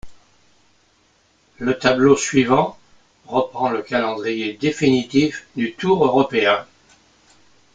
Le tableau suivant reprend le calendrier définitif du Tour européen.